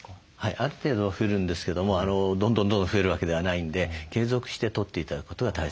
ある程度は増えるんですけどもどんどんどんどん増えるわけではないんで継続してとって頂くことが大切だと思います。